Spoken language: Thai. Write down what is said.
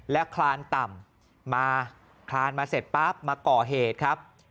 และคลานต่ำมาคลานมาเสร็จปั๊บมาก่อเหตุครับ